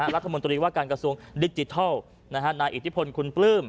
รัฐมนตรีว่าการกระทรวงดิจิทัลนายอิทธิพลคุณปลื้ม